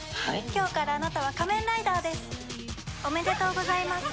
今日からあなたは仮面ライダーです。